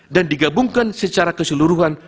dan digabungkan secara keseluruhan